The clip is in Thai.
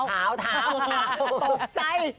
เท้าเท้าตกใจ